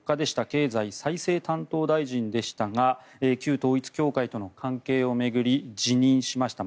経済再生担当大臣でしたが旧統一教会との関係を巡り辞任しました。